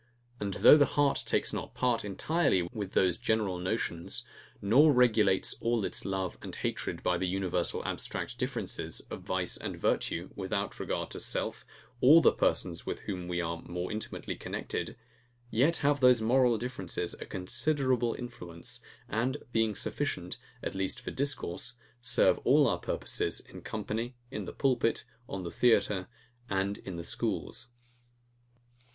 And though the heart takes not part entirely with those general notions, nor regulates all its love and hatred by the universal abstract differences of vice and virtue, without regard to self, or the persons with whom we are more intimately connected; yet have these moral differences a considerable influence, and being sufficient, at least for discourse, serve all our purposes in company, in the pulpit, on the theatre, and in the schools.